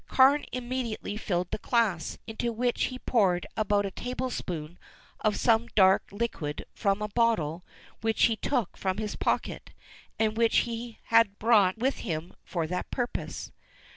Carne immediately filled the glass, into which he poured about a tablespoonful of some dark liquid from a bottle which he took from his pocket, and which he had brought with him for that purpose.